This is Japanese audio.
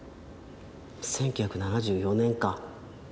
１９７４年か。